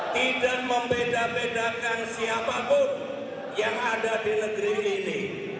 tidak membeda bedakan siapapun yang ada di negeri ini